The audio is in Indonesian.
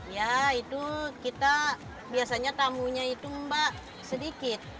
ya itu kita biasanya tamunya itu mbak sedikit